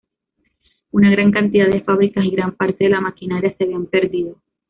Una gran cantidad de fábricas y gran parte de la maquinaria se habían perdido.